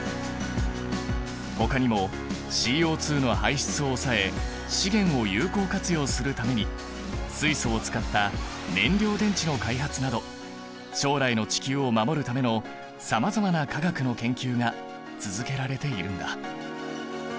ほかにもＣＯの排出を抑え資源を有効活用するために水素を使った燃料電池の開発など将来の地球を守るためのさまざまな化学の研究が続けられているんだ。